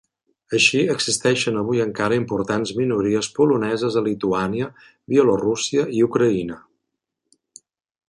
Així existeixen avui encara importants minories poloneses a Lituània, Bielorússia i Ucraïna.